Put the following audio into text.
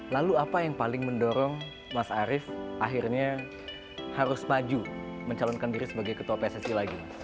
lalu apa yang paling mendorong mas arief akhirnya harus maju mencalonkan diri sebagai ketua pssi lagi mas